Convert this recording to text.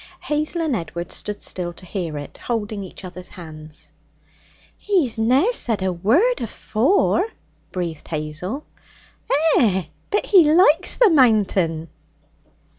Hazel and Edward stood still to hear it, holding each other's hands. 'He's ne'er said a word afore,' breathed Hazel. 'Eh! but he likes the Mountain!'